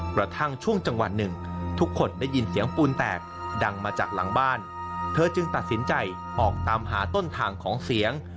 กระทั่งช่วงจังหวะหนึ่งทุกคนได้ยินเสียงปูนแตกดังมาจากหลังบ้านเธอจึงตัดสินใจออกตามหาต้นทางของเสียง